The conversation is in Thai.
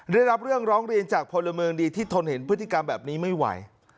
ได้รับเรื่องร้องเรียนจากพลเมืองดีที่ทนเห็นพฤติกรรมแบบนี้ไม่ไหว